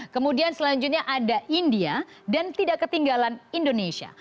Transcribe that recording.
kemudian selanjutnya ada india dan tidak ketinggalan indonesia